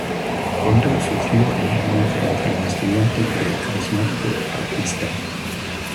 Pronto surgió el romance entre la estudiante y el carismático artista.